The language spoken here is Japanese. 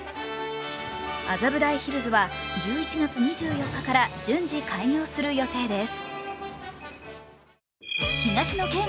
麻布台ヒルズは１１月２４日から順次開業する予定です。